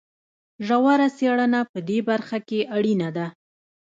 ژوره څېړنه په دې برخه کې اړینه ده.